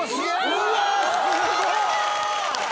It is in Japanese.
うわ！